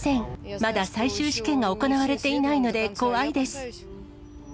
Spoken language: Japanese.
まだ最終試験が行われていないので怖いです。